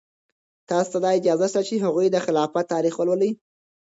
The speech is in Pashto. تاسو ته اجازه شته چې د هغوی د خلافت تاریخ ولولئ.